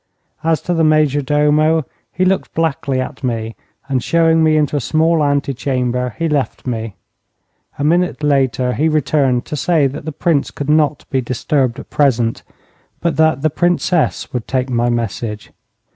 As to the major domo, he looked blackly at me, and showing me into a small ante chamber he left me. A minute later he returned to say that the Prince could not be disturbed at present, but that the Princess would take my message.